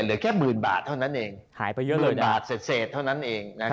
เหลือแค่หมื่นบาทเท่านั้นเอง